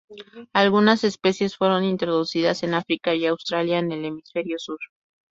Algunas especies fueron introducidas en África y Australia en el hemisferio sur.